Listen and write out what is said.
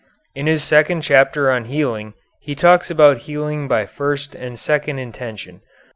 In his second chapter on healing he talks about healing by first and second intention.